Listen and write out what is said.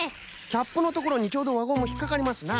キャップのところにちょうどわゴムひっかかりますな。